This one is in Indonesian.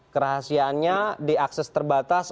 kerahasiannya diakses terbatas